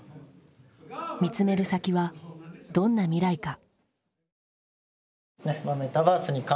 見つめる先はどんな未来か。